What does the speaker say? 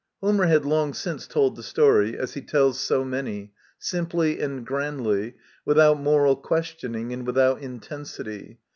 Homer had long since told the story, as he tells so many, simply and grandly, without moral questioning and without intensity.